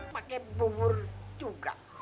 pakai bubur juga